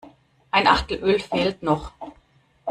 Ein Achtel Öl fehlt noch.